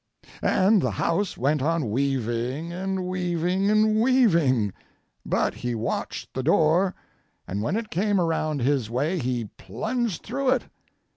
And the house went on weaving and weaving and weaving, but he watched the door, and when it came around his way he plunged through it.